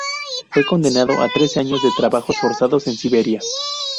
Fue condenado a trece años de trabajos forzados en Siberia.